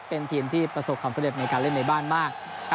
เป็นทีมที่ประสบความสำเร็จในการเล่นในบ้านมาก